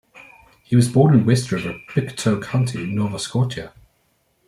He was born in West River, Pictou County, Nova Scotia.